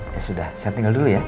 ya sudah saya tinggal dulu ya